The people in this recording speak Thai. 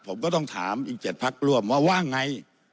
ผมก็ต้องถามอีก๗ภักดิ์ร่วมว่าว่าอย่างไร